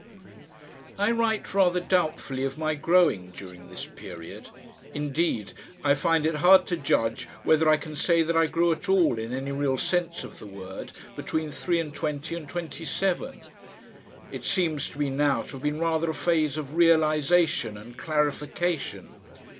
I write rather doubtfully of my growing during this period. Indeed I find it hard to judge whether I can say that I grew at all in any real sense of the word, between three and twenty and twenty seven. It seems to me now to have been rather a phase of realisation and clarification.